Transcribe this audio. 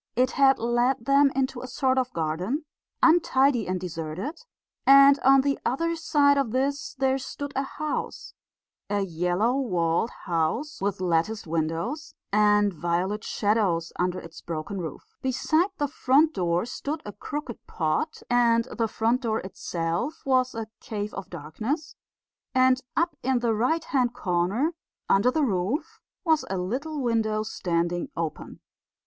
It had led them into a sort of garden, untidy and deserted, and on the other side of this there stood a house a yellow walled house with latticed windows and violet shadows under its broken roof. Beside the front door stood a crooked pot, and the front door itself was a cave of darkness, and up in the right hand corner, under the roof, was a little window standing open.